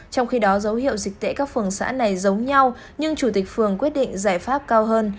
trong khi đó dấu hiệu dịch tễ các phường xã này giống nhau nhưng chủ tịch phường quyết định giải pháp cao hơn